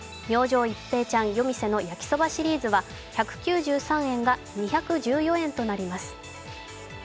夜店の焼そばシリーズは、１９３円が２１４円となります。